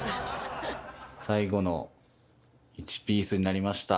最後の１ピースになりました。